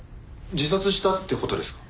自殺したって事ですか？